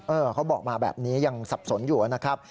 เขาบอกมาแบบนี้ยังสับสนอยู่นะครับ